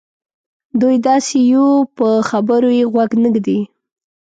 دوی داسې یوو په خبرو یې غوږ نه ږدي.